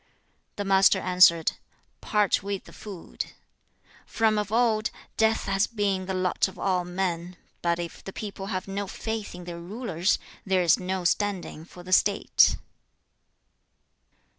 The Master answered, 'Part with the food. From of old, death has been the lot of all men; but if the people have no faith in their rulers, there is no standing for the state.'